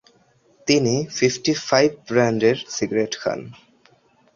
তিনি 'fifty five' ব্র্যান্ডের cigarette খান।